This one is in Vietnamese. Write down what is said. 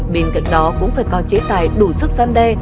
bên cạnh đó cũng phải có chế tài đủ sức gian đe